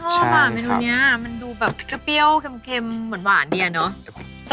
ชอบอ่ะมีนุ่นนี้มันดูแบบก็เปรี้ยวเค็มเหมือนหวานดีอ่ะเนอะ